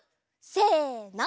せの。